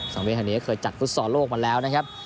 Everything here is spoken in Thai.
ส่องเว้นทางนี้เคยจัดกุศรโลกมาแล้วนะครับ